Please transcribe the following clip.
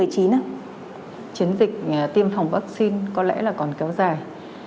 chiến dịch tiêm phòng vaccine có lẽ là còn kéo dài